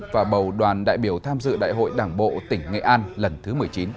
và bầu đoàn đại biểu tham dự đại hội đảng bộ tỉnh nghệ an lần thứ một mươi chín